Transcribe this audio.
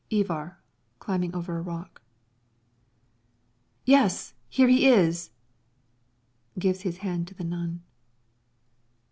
Ivar [climbing' over a rock] Yes, here he is. [_Gives his hand to the nun.